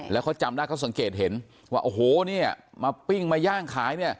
แล้วเขาจำได้เขาสังเกตเห็นว่าโอ้โหมาปิ้งมาย่างขาย